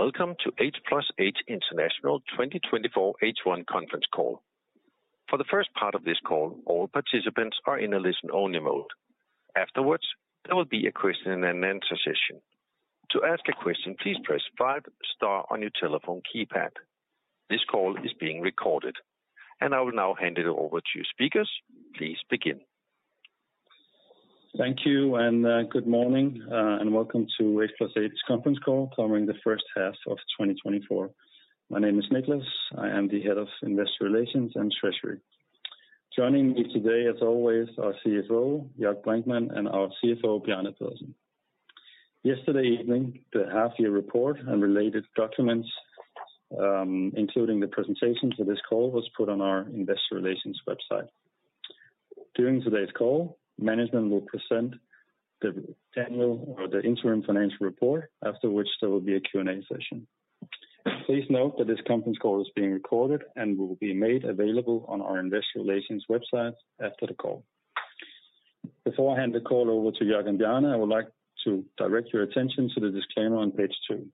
Welcome to H+H International 2024 H1 conference call. For the first part of this call, all participants are in a listen-only mode. Afterwards, there will be a question and answer session. To ask a question, please press 5 star on your telephone keypad. This call is being recorded, and I will now hand it over to speakers. Please begin. Thank you, and good morning, and welcome to H+H conference call covering the first half of 2024. My name is Niclas. I am the Head of Investor Relations and Treasury. Joining me today, as always, our CEO, Jörg Brinkmann, and our CFO, Bjarne Thorsen. Yesterday evening, the half year report and related documents, including the presentation to this call, was put on our investor relations website. During today's call, management will present the annual or the interim financial report, after which there will be a Q&A session. Please note that this conference call is being recorded and will be made available on our investor relations website after the call. Before I hand the call over to Jörg and Bjarne, I would like to direct your attention to the disclaimer on page 2.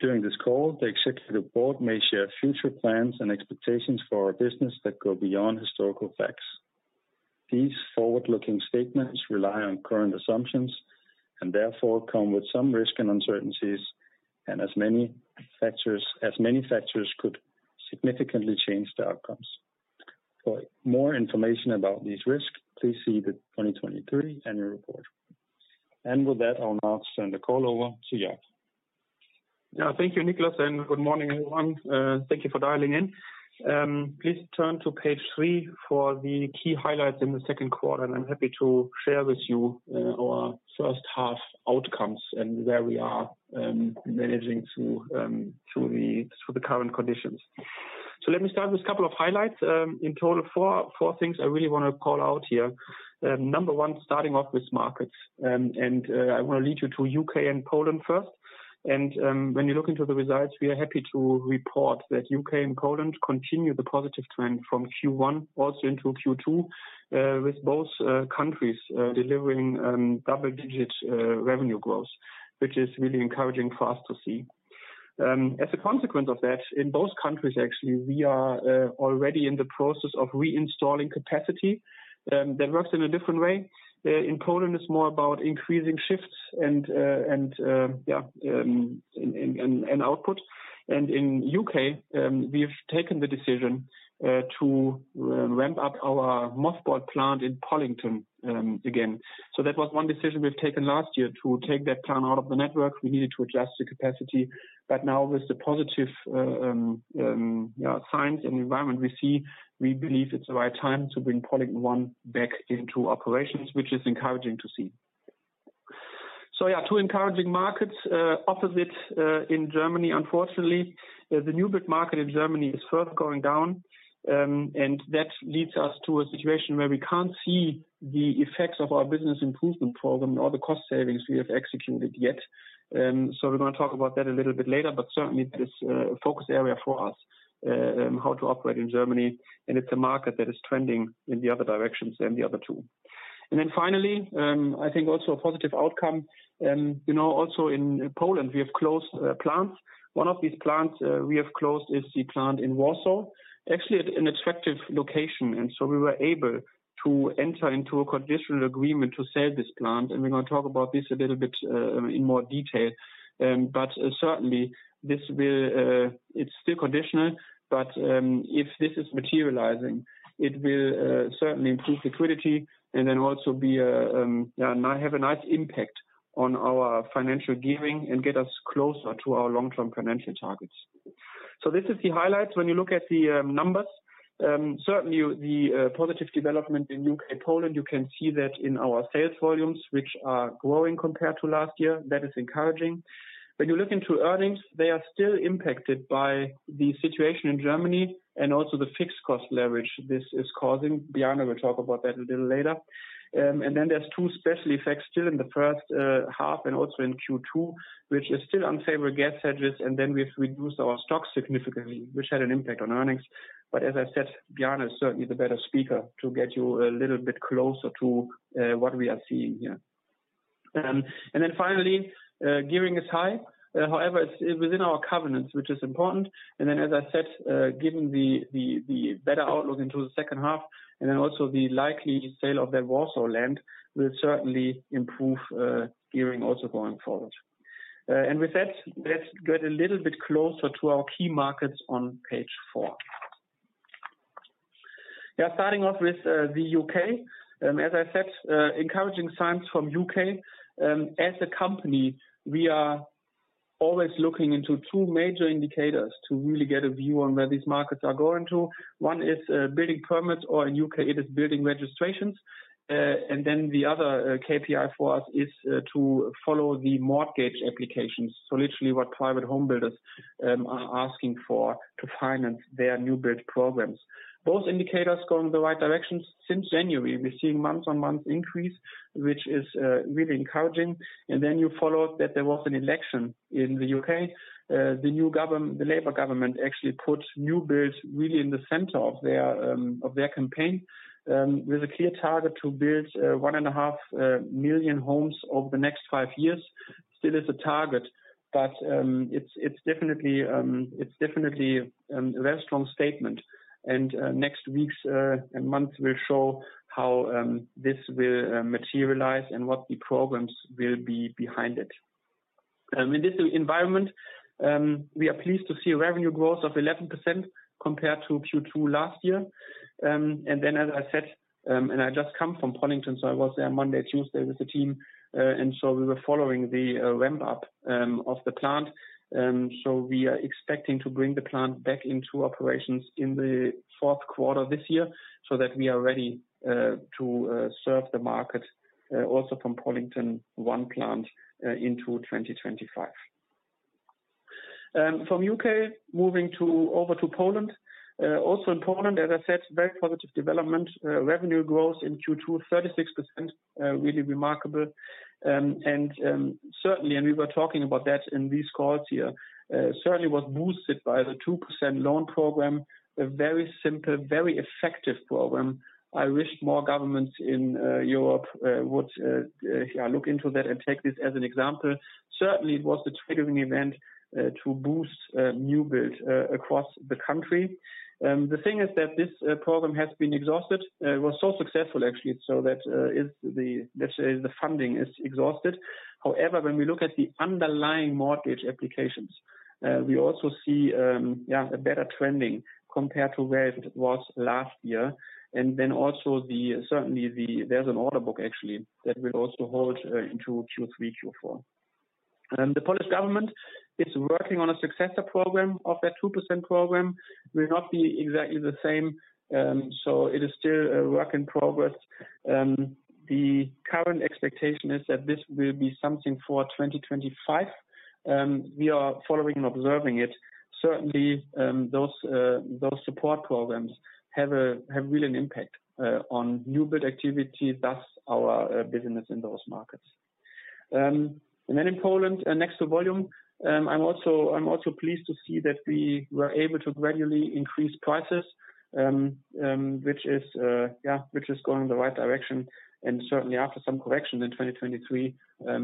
During this call, the executive board may share future plans and expectations for our business that go beyond historical facts. These forward-looking statements rely on current assumptions, and therefore come with some risk and uncertainties, and as many factors could significantly change the outcomes. For more information about these risks, please see the 2023 annual report. With that, I'll now turn the call over to Jörg. Yeah, thank you, Niclas, and good morning, everyone. Thank you for dialing in. Please turn to page 3 for the key highlights in the second quarter, and I'm happy to share with you our first half outcomes and where we are managing through the current conditions. So let me start with a couple of highlights. In total, 4 things I really wanna call out here. Number 1, starting off with markets, and I wanna lead you to U.K. and Poland first. When you look into the results, we are happy to report that U.K. and Poland continue the positive trend from Q1 also into Q2, with both countries delivering double digits revenue growth, which is really encouraging for us to see. As a consequence of that, in both countries, actually, we are already in the process of reinstalling capacity that works in a different way. In Poland, it's more about increasing shifts and, yeah, output. And in U.K., we have taken the decision to ramp up our mothballed plant in Pollington again. So that was one decision we've taken last year to take that plant out of the network. We needed to adjust the capacity, but now with the positive, yeah, signs and environment we see, we believe it's the right time to bring Pollington I back into operations, which is encouraging to see. So yeah, two encouraging markets, opposite in Germany, unfortunately. The new big market in Germany is further going down, and that leads us to a situation where we can't see the effects of our business improvement program or the cost savings we have executed yet. So we're gonna talk about that a little bit later, but certainly this focus area for us, how to operate in Germany, and it's a market that is trending in the other directions than the other two. And then finally, I think also a positive outcome, you know, also in Poland, we have closed plants. One of these plants we have closed is the plant in Warsaw, actually at an attractive location, and so we were able to enter into a conditional agreement to sell this plant, and we're gonna talk about this a little bit in more detail. But certainly this will—it's still conditional, but if this is materializing, it will certainly improve liquidity and then also, yeah, have a nice impact on our financial gearing and get us closer to our long-term financial targets. So this is the highlights. When you look at the numbers, certainly the positive development in U.K. and Poland, you can see that in our sales volumes, which are growing compared to last year. That is encouraging. When you look into earnings, they are still impacted by the situation in Germany and also the fixed cost leverage this is causing. Bjarne will talk about that a little later. And then there's two special effects still in the first half and also in Q2, which is still unfavorable gas hedges, and then we've reduced our stock significantly, which had an impact on earnings. But as I said, Bjarne is certainly the better speaker to get you a little bit closer to what we are seeing here. And then finally, gearing is high. However, it's within our covenants, which is important. And then, as I said, given the better outlook into the second half, and then also the likely sale of that Warsaw land will certainly improve gearing also going forward. And with that, let's get a little bit closer to our key markets on page 4. Yeah, starting off with the U.K.. As I said, encouraging signs from U.K.. As a company, we are always looking into 2 major indicators to really get a view on where these markets are going to. 1 is building permits, or in U.K., it is building registrations. And then the other KPI for us is to follow the mortgage applications, so literally what private home builders are asking for to finance their new build programs. Both indicators going in the right direction since January. We're seeing month-on-month increase, which is really encouraging. And then you follow that there was an election in the U.K.. The new Labour government actually put new builds really in the center of their campaign with a clear target to build 1.5 million homes over the next 5 years. Still is a target, but it's definitely a very strong statement. And next weeks and months will show how this will materialize and what the programs will be behind it. In this environment, we are pleased to see a revenue growth of 11% compared to Q2 last year. And then as I said, and I just come from Pollington, so I was there Monday, Tuesday with the team. And so we were following the ramp up of the plant. So we are expecting to bring the plant back into operations in the fourth quarter this year, so that we are ready to serve the market, also from Pollington I plant, into 2025. From U.K. moving to, over to Poland. Also in Poland, as I said, very positive development, revenue growth in Q2, 36%, really remarkable. And certainly, we were talking about that in these calls here, certainly was boosted by the 2% loan program. A very simple, very effective program. I wish more governments in Europe would look into that and take this as an example. Certainly it was a triggering event to boost new build across the country. The thing is that this program has been exhausted. It was so successful actually, so that is the, let's say, the funding is exhausted. However, when we look at the underlying mortgage applications, we also see yeah, a better trending compared to where it was last year. And then also certainly the there's an order book actually, that will also hold into Q3, Q4. The Polish government is working on a successor program of that two percent program. Will not be exactly the same, so it is still a work in progress. The current expectation is that this will be something for 2025. We are following and observing it. Certainly, those support programs have a, have really an impact on new build activity, thus our business in those markets. And then in Poland, next to volume, I'm also pleased to see that we were able to gradually increase prices, which is, yeah, which is going in the right direction, and certainly after some correction in 2023,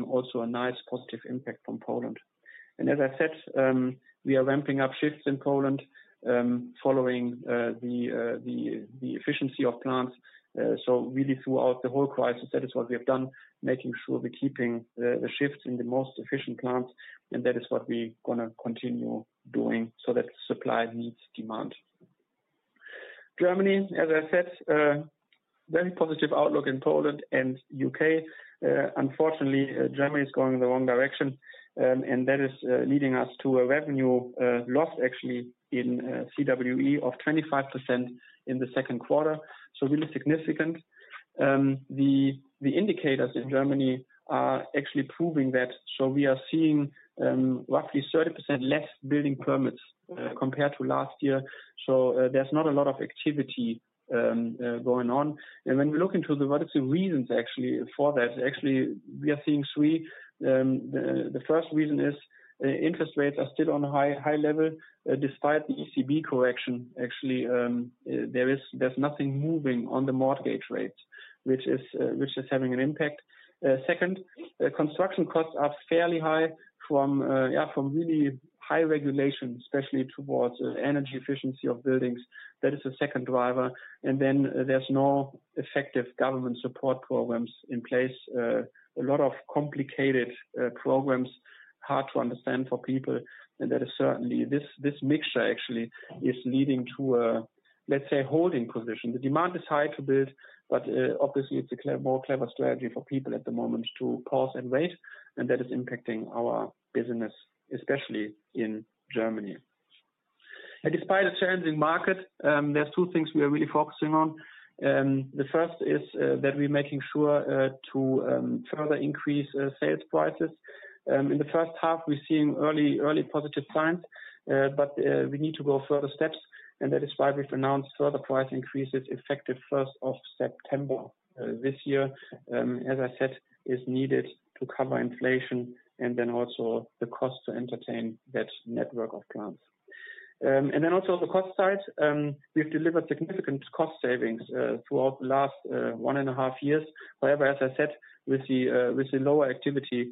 also a nice positive impact from Poland. And as I said, we are ramping up shifts in Poland, following the efficiency of plants. So really throughout the whole crisis, that is what we have done, making sure we're keeping the shifts in the most efficient plants, and that is what we're gonna continue doing so that supply meets demand. Germany, as I said, very positive outlook in Poland and U.K.. Unfortunately, Germany is going in the wrong direction, and that is leading us to a revenue loss actually in CWE of 25% in the second quarter, so really significant. The indicators in Germany are actually proving that. So we are seeing roughly 30% less building permits compared to last year. So, there's not a lot of activity going on. And when we look into what are the reasons actually for that? Actually, we are seeing three. The first reason is interest rates are still on a high level, despite the ECB correction, actually, there's nothing moving on the mortgage rates, which is having an impact. Second, construction costs are fairly high from, yeah, from really high regulation, especially towards the energy efficiency of buildings. That is the second driver. And then there's no effective government support programs in place. A lot of complicated programs, hard to understand for people, and that is certainly... This mixture actually is leading to a, let's say, holding position. The demand is high to build, but obviously it's a more clever strategy for people at the moment to pause and wait, and that is impacting our business, especially in Germany. Despite a challenging market, there are two things we are really focusing on. The first is that we're making sure to further increase sales prices. In the first half, we're seeing early early positive signs, but we need to go further steps, and that is why we've announced further price increases effective first of September this year. As I said, is needed to cover inflation and then also the cost to entertain that network of plants. And then also the cost side, we've delivered significant cost savings throughout the last one and a half years. However, as I said, with the lower activity,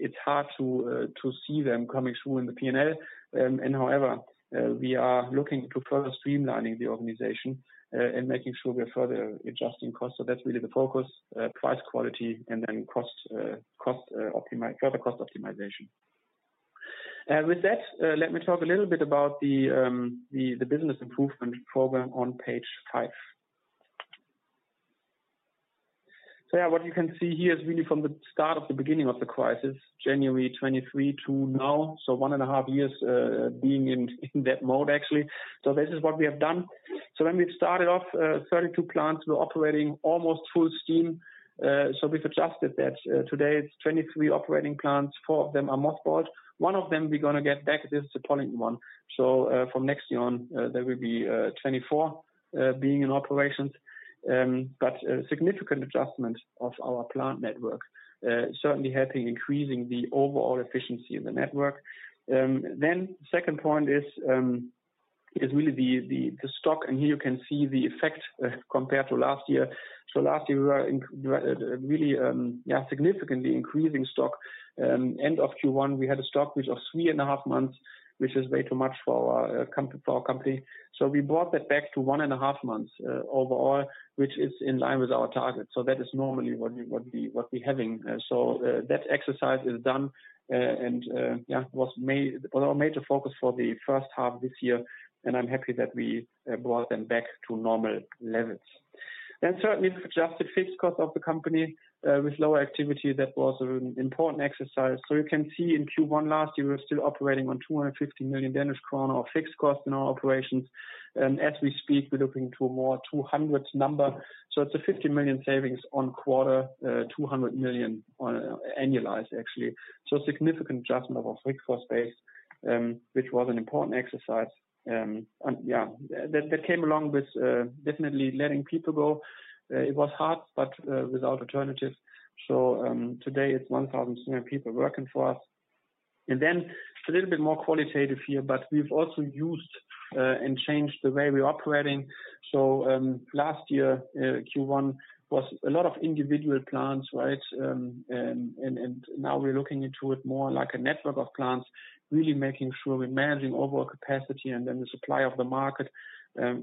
it's hard to see them coming through in the P&L. However, we are looking to further streamlining the organization, and making sure we're further adjusting costs. So that's really the focus, price, quality, and then cost, further cost optimization. With that, let me talk a little bit about the business improvement program on page 5. So yeah, what you can see here is really from the start of the beginning of the crisis, January 2023 to now, so one and a half years, being in that mode, actually. So this is what we have done. So when we started off, 32 plants were operating almost full steam. So we've adjusted that. Today, it's 23 operating plants, 4 of them are mothballed. One of them we're gonna get back, is the Pollington one. So, from next year on, there will be 24 being in operations. But a significant adjustment of our plant network certainly helping increasing the overall efficiency in the network. Then second point is really the stock, and here you can see the effect compared to last year. So last year, we were really significantly increasing stock. End of Q1, we had a stock which was three and a half months, which is way too much for our company. So we brought that back to one and a half months overall, which is in line with our target. So that is normally what we're having. So, that exercise is done, and yeah, was our major focus for the first half of this year, and I'm happy that we brought them back to normal levels. Then certainly for adjusted fixed cost of the company, with lower activity, that was an important exercise. So you can see in Q1 last year, we were still operating on 250 million Danish kroner of fixed costs in our operations. And as we speak, we're looking to a more 200s number. So it's a 50 million savings on quarter, 200 million annualized actually. So significant adjustment of our fixed cost base, which was an important exercise. And yeah, that came along with definitely letting people go. It was hard, but without alternative. So, today it's 1,000 people working for us. And then a little bit more qualitative here, but we've also used and changed the way we're operating. So, last year, Q1 was a lot of individual plants, right? And now we're looking into it more like a network of plants, really making sure we're managing overall capacity and then the supply of the market,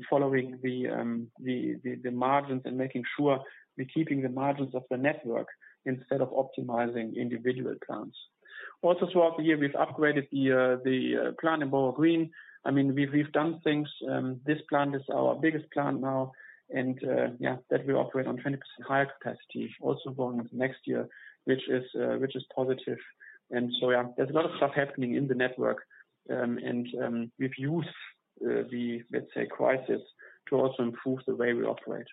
following the margins and making sure we're keeping the margins of the network instead of optimizing individual plants. Also, throughout the year, we've upgraded the plant in Borough Green. I mean, we've done things. This plant is our biggest plant now, and, yeah, that will operate on 20% higher capacity also going into next year, which is, which is positive. And so, yeah, there's a lot of stuff happening in the network. And, we've used, the, let's say, crisis to also improve the way we operate.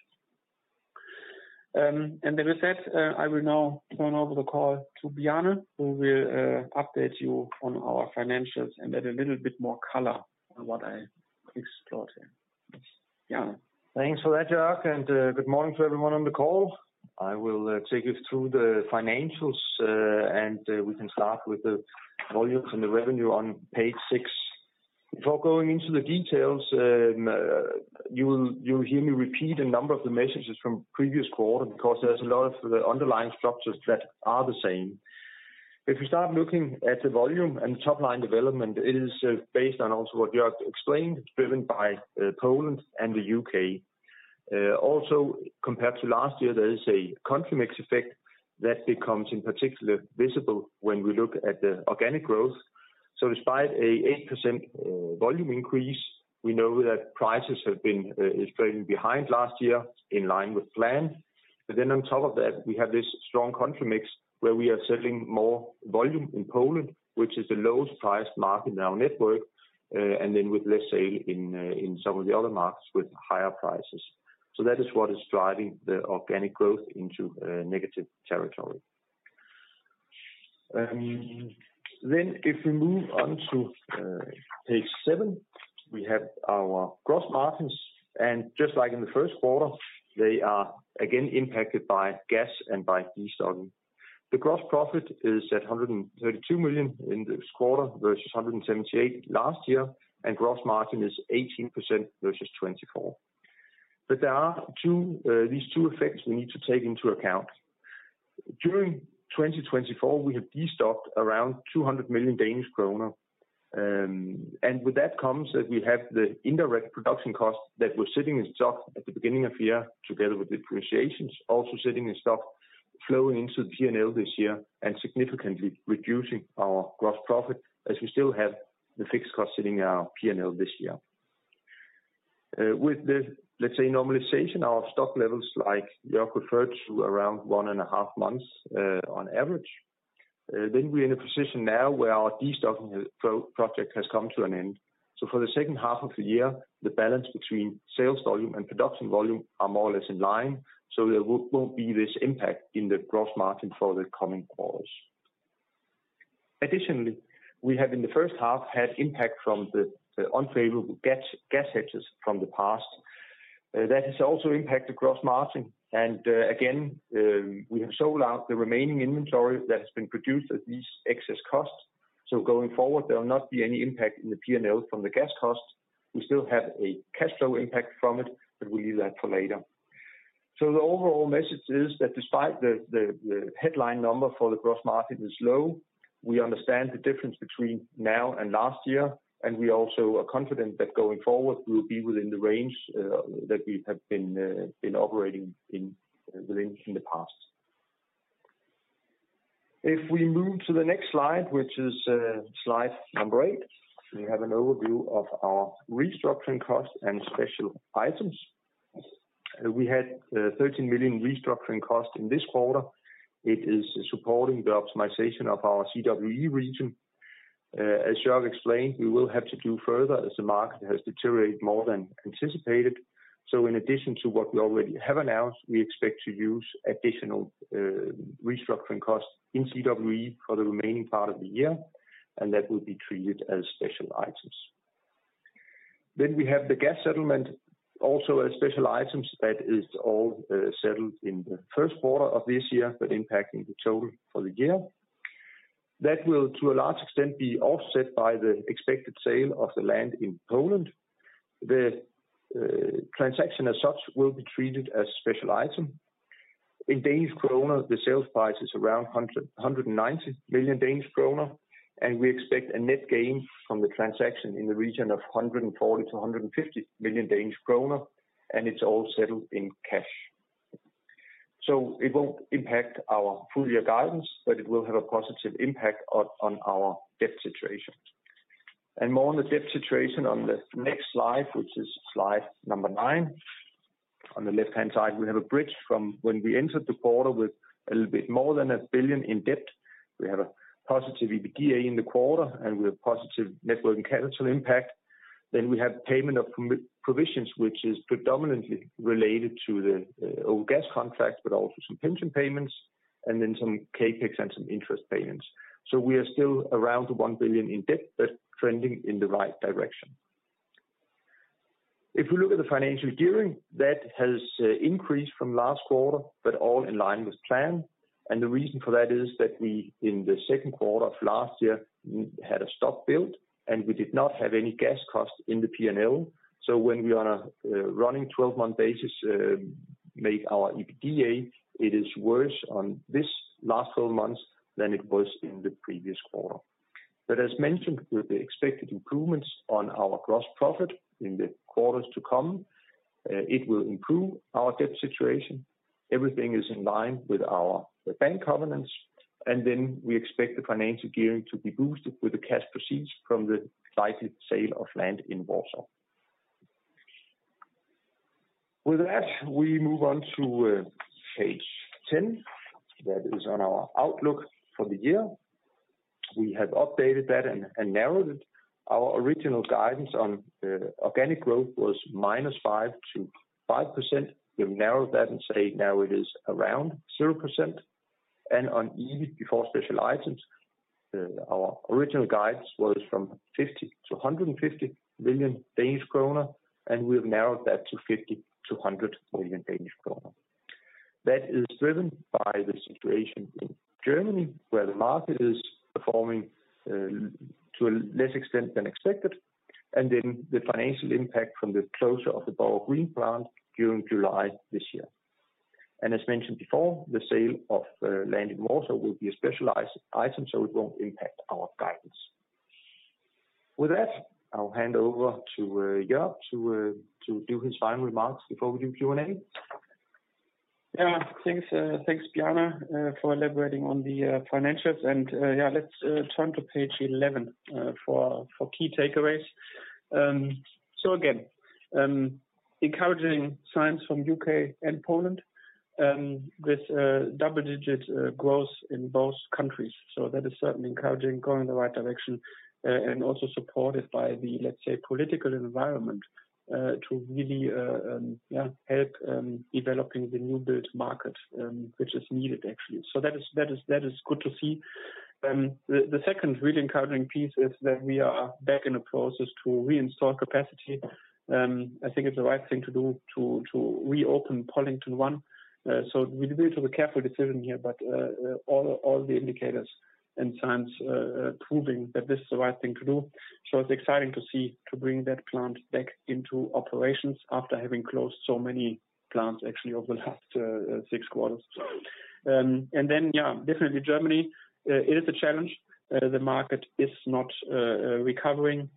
And with that, I will now turn over the call to Bjarne, who will, update you on our financials and add a little bit more color on what I explored here. Bjarne? Thanks for that, Jörg, and good morning to everyone on the call. I will take you through the financials, and we can start with the volumes and the revenue on page six. Before going into the details, you will, you'll hear me repeat a number of the messages from previous quarter because there's a lot of the underlying structures that are the same. If you start looking at the volume and top-line development, it is, based on also what Jörg explained, driven by Poland and the U.K.. Also, compared to last year, there is a country mix effect that becomes, in particular, visible when we look at the organic growth. So despite a 8% volume increase, we know that prices have been is trailing behind last year, in line with plan. But then on top of that, we have this strong country mix, where we are selling more volume in Poland, which is the lowest priced market in our network, and then with less sale in in some of the other markets with higher prices. So that is what is driving the organic growth into negative territory. Then if we move on to page 7, we have our gross margins, and just like in the first quarter, they are again impacted by gas and by destocking. The gross profit is at 132 million in this quarter versus 178 million last year, and gross margin is 18% versus 24%. But there are two these two effects we need to take into account. During 2024, we have destocked around 200 million Danish kroner, and with that comes that we have the indirect production cost that was sitting in stock at the beginning of year, together with depreciations, also sitting in stock, flowing into the P&L this year and significantly reducing our gross profit, as we still have the fixed cost sitting in our P&L this year. With the, let's say, normalization, our stock levels like Jörg referred to, around one and a half months, on average, then we're in a position now where our destocking project has come to an end. So for the second half of the year, the balance between sales volume and production volume are more or less in line, so there won't be this impact in the gross margin for the coming quarters. Additionally, we have, in the first half, had impact from the unfavorable gas hedges from the past. That has also impacted gross margin, and again, we have sold out the remaining inventory that has been produced at these excess costs. So going forward, there will not be any impact in the P&L from the gas costs. We still have a cash flow impact from it, but we leave that for later. So the overall message is that despite the headline number for the gross margin is low, we understand the difference between now and last year, and we also are confident that going forward, we'll be within the range that we have been operating in within the past. If we move to the next slide, which is slide number 8, we have an overview of our restructuring costs and special items. We had 13 million restructuring costs in this quarter. It is supporting the optimization of our CWE region. As Jörg explained, we will have to do further as the market has deteriorated more than anticipated. So in addition to what we already have announced, we expect to use additional restructuring costs in CWE for the remaining part of the year, and that will be treated as special items. Then we have the gas settlement, also as special items, that is all settled in the first quarter of this year, but impacting the total for the year. That will, to a large extent, be offset by the expected sale of the land in Poland. The transaction as such will be treated as special item. In Danish kroner, the sales price is around 190 million Danish kroner, and we expect a net gain from the transaction in the region of 140 million-150 million Danish kroner, and it's all settled in cash. So it won't impact our full year guidance, but it will have a positive impact on our debt situation. More on the debt situation on the next slide, which is slide number 9. On the left-hand side, we have a bridge from when we entered the quarter with a little bit more than 1 billion in debt. We have a positive EBITDA in the quarter, and we have positive net working capital impact. Then we have payment of provisions, which is predominantly related to the old gas contract, but also some pension payments, and then some CapEx and some interest payments. So we are still around 1 billion in debt, but trending in the right direction. If we look at the financial gearing, that has increased from last quarter, but all in line with plan. And the reason for that is that we, in the second quarter of last year, had a stock build, and we did not have any gas costs in the P&L. So when we are on a running 12-month basis, make our EBITDA, it is worse on this last 12 months than it was in the previous quarter. But as mentioned, with the expected improvements on our gross profit in the quarters to come, it will improve our debt situation. Everything is in line with our bank covenants, and then we expect the financial gearing to be boosted with the cash proceeds from the cited sale of land in Warsaw. With that, we move on to page ten. That is on our outlook for the year. We have updated that and narrowed it. Our original guidance on organic growth was minus 5%-5%. We've narrowed that and say now it is around 0%, and on EBIT, before special items, our original guidance was from 50 million Danish kroner to 150 million Danish kroner, and we've narrowed that to 50 million-100 million Danish kroner. That is driven by the situation in Germany, where the market is performing to a less extent than expected, and then the financial impact from the closure of the Borough Green plant during July this year. And as mentioned before, the sale of land in Warsaw will be a specialized item, so it won't impact our guidance. With that, I'll hand over to Jörg, to do his final remarks before we do Q&A. Yeah, thanks, thanks, Bjarne, for elaborating on the financials. And, yeah, let's turn to page 11 for key takeaways. So again, encouraging signs from U.K. and Poland, with double-digit growth in both countries. So that is certainly encouraging, going in the right direction, and also supported by the, let's say, political environment to really help developing the new build market, which is needed, actually. So that is good to see. The second really encouraging piece is that we are back in the process to reinstall capacity. I think it's the right thing to do to reopen Pollington I. So we did a careful decision here, but all the indicators and signs proving that this is the right thing to do. So it's exciting to see to bring that plant back into operations after having closed so many plants, actually, over the last six quarters. And then, yeah, definitely Germany, it is a challenge. The market is not recovering.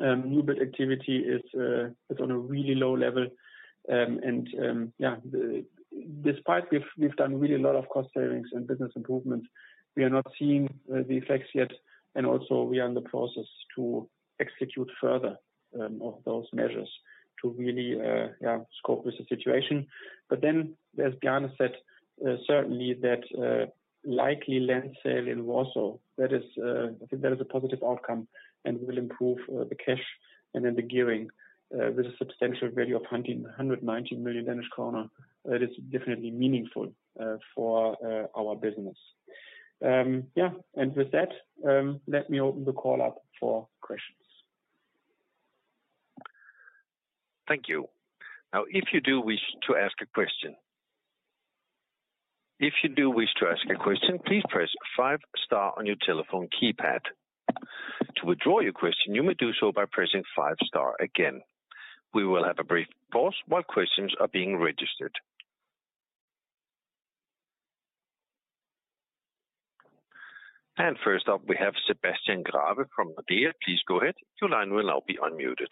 New build activity is on a really low level. And yeah, despite we've done really a lot of cost savings and business improvement, we are not seeing the effects yet. And also, we are in the process to execute further of those measures to really yeah cope with the situation. But then, as Bjarne said, certainly that likely land sale in Warsaw, that is, I think that is a positive outcome and will improve the cash and then the gearing with a substantial value of 119 million Danish kroner. That is definitely meaningful for our business. Yeah, and with that, let me open the call up for questions. Thank you. Now, if you do wish to ask a question... If you do wish to ask a question, please press five star on your telephone keypad. To withdraw your question, you may do so by pressing five star again. We will have a brief pause while questions are being registered. And first up, we have Sebastian Growe from BNP Paribas Exane. Please go ahead. Your line will now be unmuted.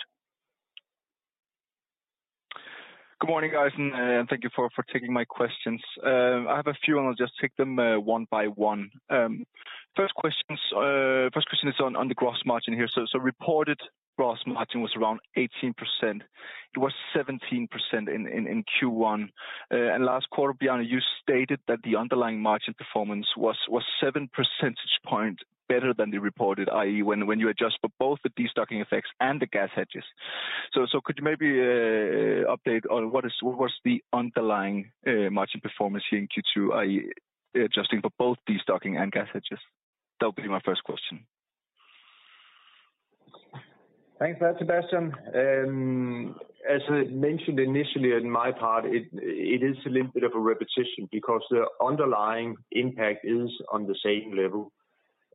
Good morning, guys, and thank you for taking my questions. I have a few, and I'll just take them one by one. First question is on the gross margin here. So, reported gross margin was around 18%. It was 17% in Q1. And last quarter, Bjarne, you stated that the underlying margin performance was seven percentage points better than the reported, i.e., when you adjust for both the destocking effects and the gas hedges. So, could you maybe update on what's the underlying margin performance here in Q2, i.e., adjusting for both destocking and gas hedges? That will be my first question.... Thanks for that, Sebastian. As I mentioned initially on my part, it is a little bit of a repetition because the underlying impact is on the same level.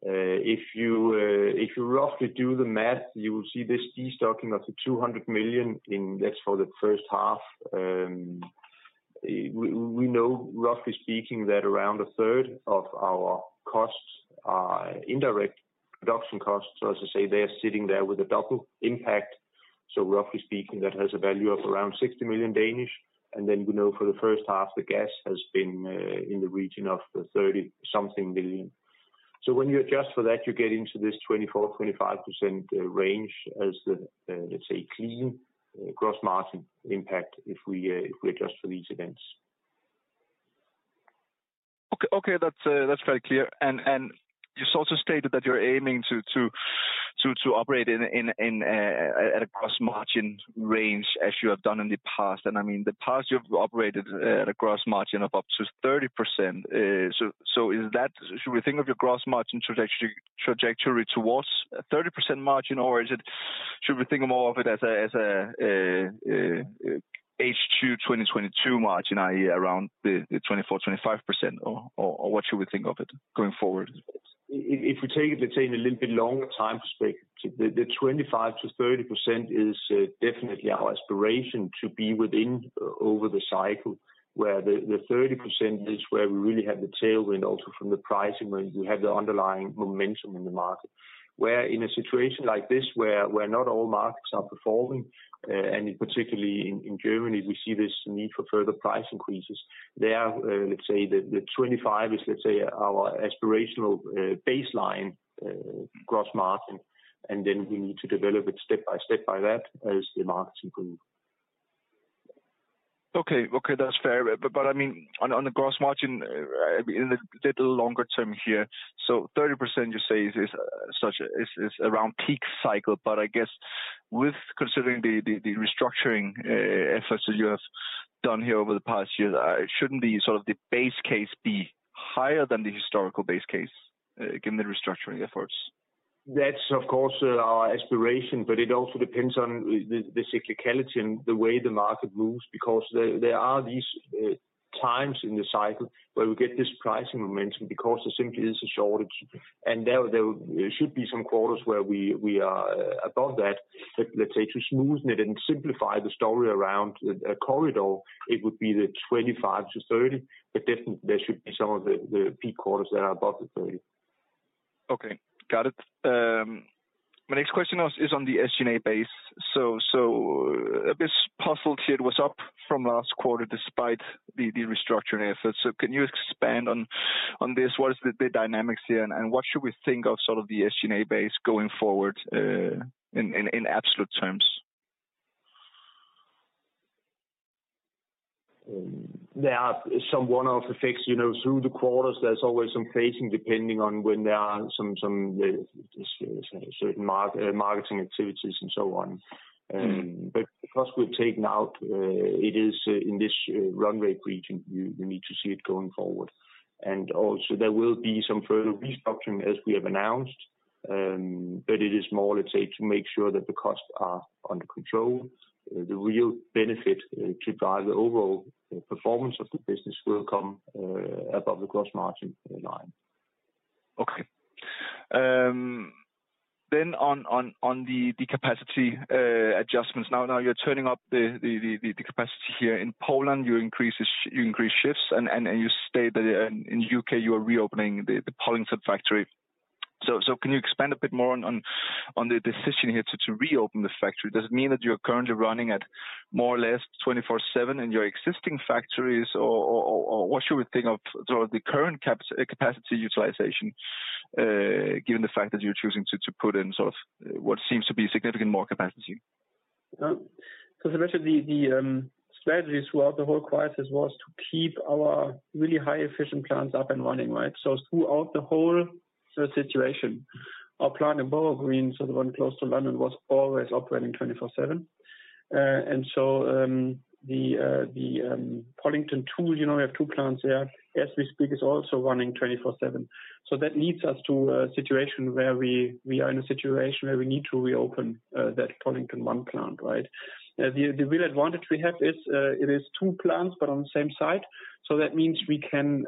If you roughly do the math, you will see this destocking of the 200 million in, that's for the first half. We know, roughly speaking, that around a third of our costs are indirect production costs. So as I say, they are sitting there with a double impact. So roughly speaking, that has a value of around 60 million, and then we know for the first half, the gas has been in the region of the 30-something million. So when you adjust for that, you get into this 24%-25% range as the, let's say, clean gross margin impact if we adjust for these events. Okay, that's very clear. And you also stated that you're aiming to operate in at a gross margin range as you have done in the past. And I mean, the past, you've operated at a gross margin of up to 30%. So is that... Should we think of your gross margin trajectory towards a 30% margin, or is it- should we think more of it as a H2 2022 margin, i.e., around the 24%-25%, or what should we think of it going forward? If we take it, let's say, in a little bit longer time perspective, the 25%-30% is definitely our aspiration to be within over the cycle, where the 30% is where we really have the tailwind also from the pricing, where you have the underlying momentum in the market. In a situation like this, where not all markets are performing, and particularly in Germany, we see this need for further price increases. There, let's say, the 25 is, let's say, our aspirational baseline gross margin, and then we need to develop it step by step by that as the markets improve. Okay. Okay, that's fair. But I mean, on the gross margin, in the little longer term here, so 30% you say is around peak cycle. But I guess with considering the restructuring efforts that you have done here over the past years, shouldn't the sort of the base case be higher than the historical base case, given the restructuring efforts? That's of course our aspiration, but it also depends on the cyclicality and the way the market moves, because there are these times in the cycle where we get this pricing momentum because there simply is a shortage. And there should be some quarters where we are above that, but let's say, to smoothen it and simplify the story around the corridor, it would be the 25-30, but definitely there should be some of the peak quarters that are above the 30. Okay, got it. My next question is on the SG&A base. So a bit puzzled here, it was up from last quarter despite the restructuring efforts. So can you expand on this? What is the dynamics here, and what should we think of sort of the SG&A base going forward, in absolute terms? There are some one-off effects, you know, through the quarters. There's always some phasing, depending on when there are some certain marketing activities, and so on. Mm-hmm. But the cost we've taken out, it is in this runway region. You need to see it going forward. And also, there will be some further restructuring, as we have announced, but it is more, let's say, to make sure that the costs are under control. The real benefit to drive the overall performance of the business will come above the gross margin line. Okay. Then on the capacity adjustments. Now you're turning up the capacity here in Poland, you increase shifts, and you state that in U.K., you are reopening the Pollington factory. So can you expand a bit more on the decision here to reopen this factory? Does it mean that you're currently running at more or less 24/7 in your existing factories, or what should we think of sort of the current capacity utilization, given the fact that you're choosing to put in sort of what seems to be significantly more capacity? So essentially, the strategies throughout the whole crisis was to keep our really high, efficient plants up and running, right? So throughout the whole situation, our plant in Borough Green, so the one close to London, was always operating 24/7. And so, the Pollington II, you know, we have two plants there, as we speak, is also running 24/7. So that leads us to a situation where we are in a situation where we need to reopen that Pollington I plant, right? The real advantage we have is, it is two plants, but on the same site. So that means we can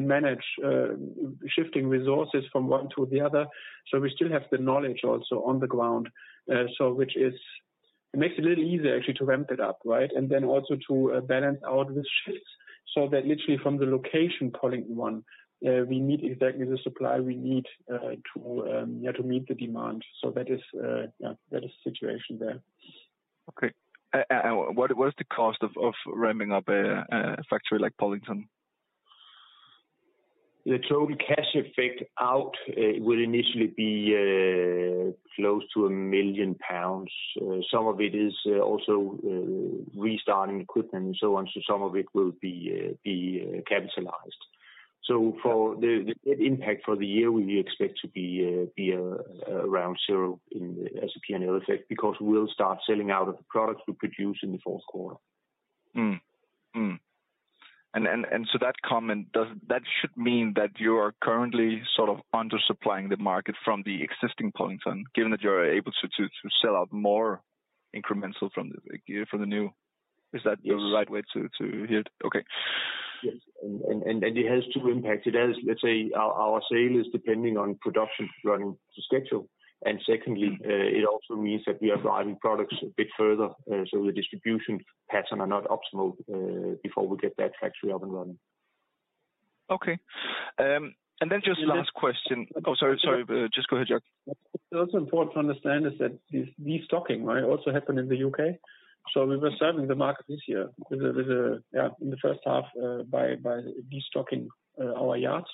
manage shifting resources from one to the other. So we still have the knowledge also on the ground, so which is... It makes it a little easier actually to ramp it up, right? And then also to balance out the shifts, so that literally from the location, Pollington I, we meet exactly the supply we need to meet the demand. So that is the situation there. Okay. And what is the cost of ramping up a factory like Pollington? The total cash effect out will initially be close to 1 million pounds. Some of it is also restarting equipment and so on, so some of it will be capitalized. So for the impact for the year, we expect to be around zero in as a P&L effect, because we'll start selling out of the products we produce in the fourth quarter. And so that comment—does that should mean that you are currently sort of undersupplying the market from the existing point on, given that you are able to sell out more incremental from the new? Is that the right way to hear it? Okay. Yes. And it has two impacts. It has, let's say, our sale is depending on production running to schedule. And secondly, it also means that we are driving products a bit further, so the distribution pattern are not optimal, before we get that factory up and running. Okay. And then just last question. Oh, sorry, sorry, just go ahead, Jörg. It's also important to understand is that this destocking, right, also happened in the U.K.. So we were serving the market this year with a yeah, in the first half, by destocking our yards.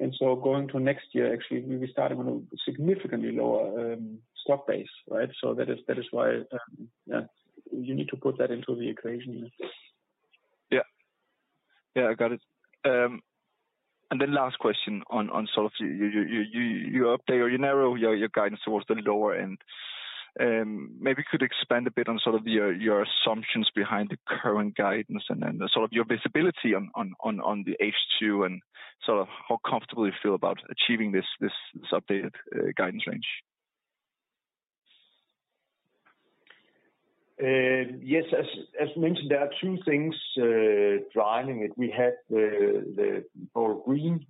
And so going to next year, actually, we'll be starting on a significantly lower stock base, right? So that is, that is why, yeah, you need to put that into the equation. Yeah. Yeah, I got it. And then last question on sort of you update or you narrow your guidance towards the lower end. Maybe you could expand a bit on sort of your assumptions behind the current guidance and then sort of your visibility on the H2, and sort of how comfortable you feel about achieving this updated guidance range. Yes, as mentioned, there are two things driving it. We had the Borough Green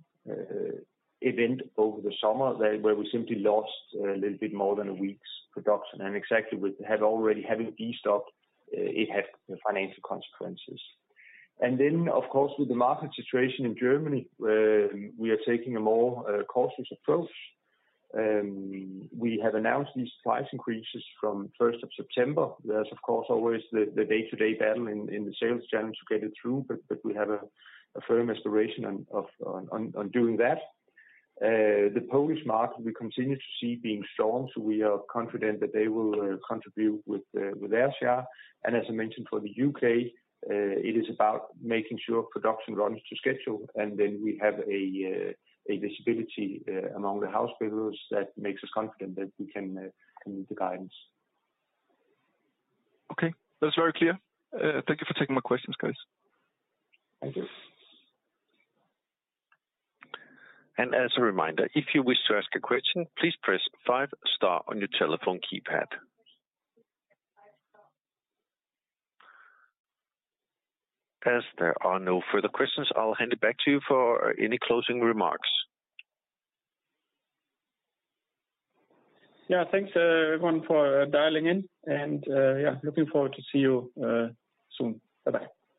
event over the summer, where we simply lost a little bit more than a week's production. And with having already destocked, it had financial consequences. And then, of course, with the market situation in Germany, we are taking a more cautious approach. We have announced these price increases from first of September. There's of course always the day-to-day battle in the sales challenge to get it through, but we have a firm resolution on doing that. The Polish market, we continue to see being strong, so we are confident that they will contribute with their share. As I mentioned, for the U.K., it is about making sure production runs to schedule, and then we have a visibility among the house builders that makes us confident that we can meet the guidance. Okay. That's very clear. Thank you for taking my questions, guys. Thank you. As a reminder, if you wish to ask a question, please press five star on your telephone keypad. As there are no further questions, I'll hand it back to you for any closing remarks. Yeah. Thanks, everyone for dialing in and, yeah, looking forward to see you, soon. Bye-bye.